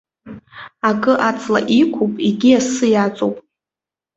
Акы аҵла иқәуп, егьи асы иаҵоуп.